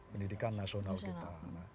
pendidikan nasional kita